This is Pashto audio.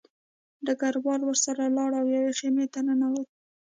ډګروال ورسره لاړ او یوې خیمې ته ننوت